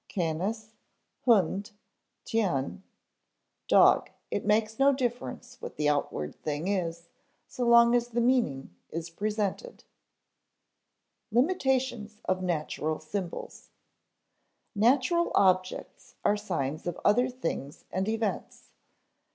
Canis, hund, chien, dog it makes no difference what the outward thing is, so long as the meaning is presented. [Sidenote: Limitations of natural symbols] Natural objects are signs of other things and events.